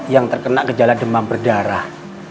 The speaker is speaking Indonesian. yang terkena gejala demam berdarah